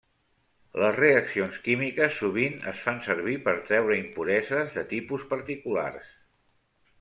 Les reaccions químiques sovint es fan servir per treure impureses de tipus particulars.